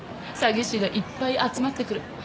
詐欺師がいっぱい集まってくる。